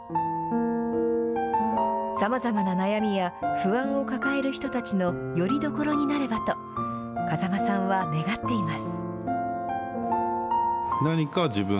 さまざまな悩みや不安を抱える人たちのよりどころになればと、風間さんは願っています。